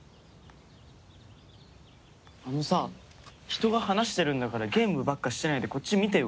あのさ人が話してるんだからゲームばっかしてないでこっち見てよ。